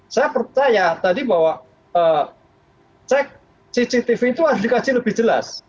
saya percaya tadi bahwa cek cctv itu harus dikaji lebih jelas